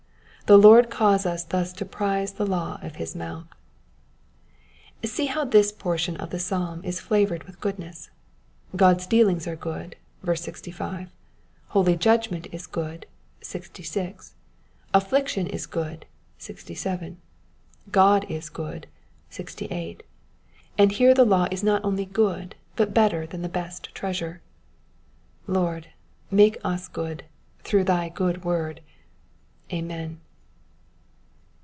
The Lord cause us thus to prize the law of his mouth. See how this portion of the psalm is flavoured with goodness. God's dealings are good (65), holy judgment is good (66), affliction is good (67), God is good (68), and here the law is not only good, but better than the best of treasure. Lord, make us good, through thy good word. Amen.